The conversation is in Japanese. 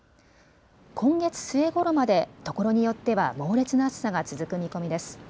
今月末ごろまでところによっては猛烈な暑さが続く見込みです。